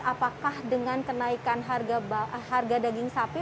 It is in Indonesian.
apakah dengan kenaikan harga daging sapi